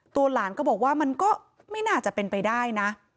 หลานก็บอกว่ามันก็ไม่น่าจะเป็นไปได้นะ